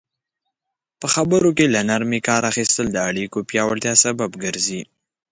په خبرو کې له نرمي کار اخیستل د اړیکو پیاوړتیا سبب ګرځي.